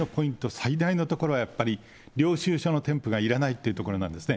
最大のところはやっぱり、領収書の添付がいらないっていうところなんですね。